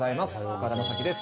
岡田将生です。